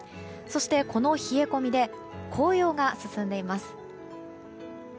そして、この冷え込みで紅葉が進んでいます。